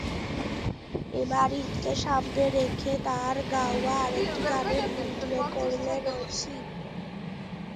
এবার ঈদকে সামনে রেখে তাঁর গাওয়া আরেকটি গানের ভিডিও করলেন ঐশী।